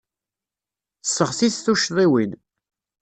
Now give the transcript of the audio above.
Sseɣtit tuccḍiwin.